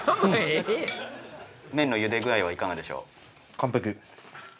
麺のゆで具合はいかがでしょう？